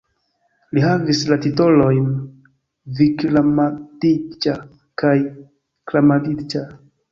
Li havis la titolojn "Vikramaditĝa" kaj "Kramaditĝa".